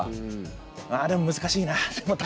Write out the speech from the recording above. あぁでも難しいな。